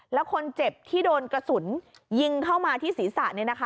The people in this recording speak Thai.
แล้วคนเจ็บที่โดนกระสุนยิงเข้ามาที่ศรีษะเนี่ยนะคะ